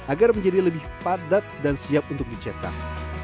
agar menjadi lebih padat dan siap untuk dicetak